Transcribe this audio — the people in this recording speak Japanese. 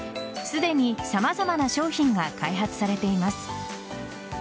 すでに様々な商品が開発されています。